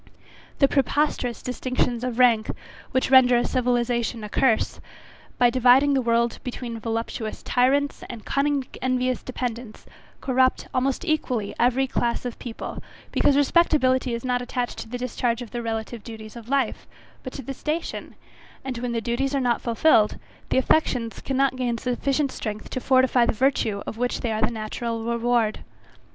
The preposterous distinctions of rank, which render civilization a curse, by dividing the world between voluptuous tyrants, and cunning envious dependents, corrupt, almost equally, every class of people, because respectability is not attached to the discharge of the relative duties of life, but to the station, and when the duties are not fulfilled, the affections cannot gain sufficient strength to fortify the virtue of which they are the natural reward.